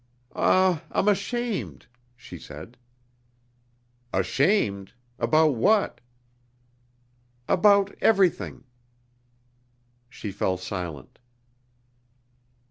"Ah, I'm ashamed," she said.... "Ashamed? About what?" "About everything." She fell silent.